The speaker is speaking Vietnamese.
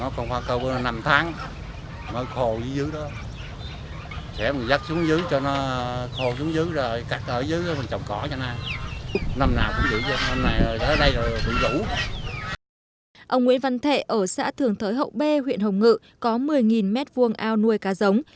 ông nguyễn văn thệ ở xã thường thới hậu b huyện hồng ngự có một mươi m hai ao nuôi cá giống